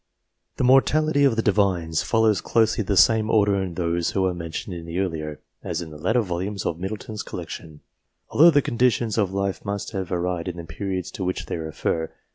The mortality of the Divines follows closely the same order in those who are mentioned in the earlier, as in the later volumes of Middleton's collection, although the con ditions of life must have varied in the periods to which they refer.